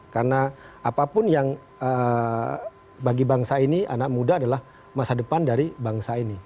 karena apapun yang bagi bangsa ini anak muda adalah masa depan dari bangsa ini